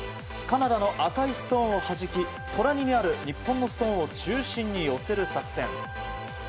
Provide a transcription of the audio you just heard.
カナダの赤いストーンをはじき隣にある日本のストーンを中心に寄せる作戦。